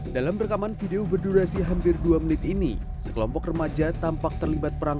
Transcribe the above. dalam rekaman video berdurasi hampir dua menit ini sekelompok remaja tampak terlibat perang